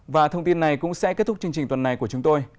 và thông tin này cũng sẽ kết thúc chương trình tuần này của chúng tôi